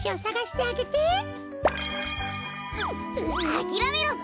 あきらめろって！